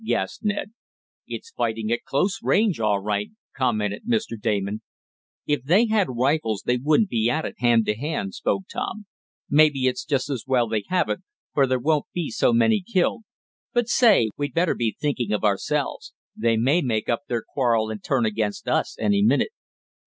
gasped Ned. "It's fighting at close range all right," commented Mr. Damon. "If they had rifles they wouldn't be at it hand to hand," spoke Tom. "Maybe it's just as well they haven't, for there won't be so many killed. But say, we'd better be thinking of ourselves. They may make up their quarrel and turn against us any minute."